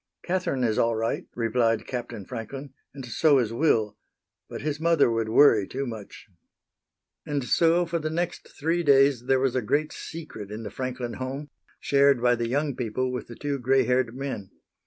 "Catherine is all right," replied Captain Franklin, "and so is Will, but his mother would worry too much." And so for the next three days there was a great secret in the Franklin home, shared by the young people with the two gray haired men.